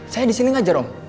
saya disini ngajar om